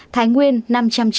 thái nguyên năm trăm chín mươi ba